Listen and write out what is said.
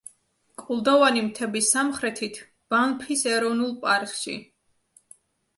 კლდოვანი მთების სამხრეთით, ბანფის ეროვნულ პარკში.